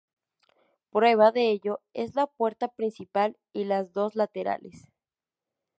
Prueba de ello, es la puerta principal y las dos laterales.